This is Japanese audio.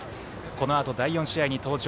このあと、第４試合に登場。